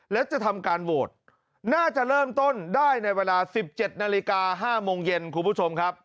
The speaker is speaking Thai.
และจะทำการโหวตน่าจะเริ่มต้นได้ในเวลา๑๗นาฬิกา๕โมงเย็นคุณผู้ชมครับ